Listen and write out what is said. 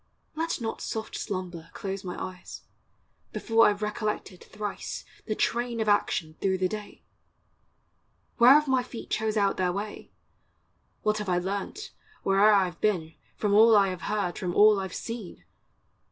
Let not soft slumber close my eyes, Before I 've recollected thrice The train of action through the day ! Where have my feet chose out their way? What have I learnt, where'er I 've been, From all I have heard, from all I 've seen?